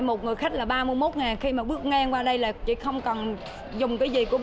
một người khách là ba mươi một khi mà bước ngang qua đây là chỉ không cần dùng cái gì của bố